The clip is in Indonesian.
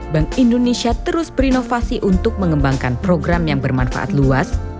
bank indonesia terus berinovasi untuk mengembangkan program yang bermanfaat luas